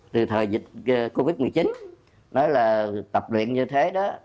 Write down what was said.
từ thời dịch covid một mươi chín nói là tập luyện như thế đó